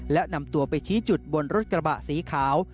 และนำตัวไปชี้จุดบนรถกระบะสีขาว